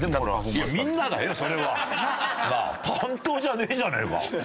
いやみんなだよそれは。担当じゃねえじゃねえか。